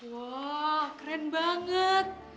wah keren banget